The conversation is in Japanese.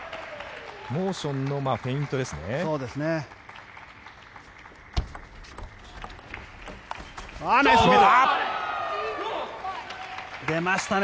モーションのフェイントですね。